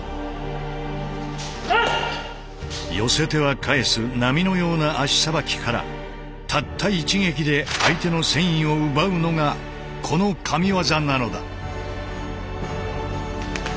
寄せては返す波のような足さばきからたった一撃で相手の戦意を奪うのがこのＫＡＭＩＷＡＺＡなのだ。